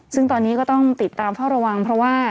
ซึ่งตอนนี้ก็ต้องติดตามเข้าระวัง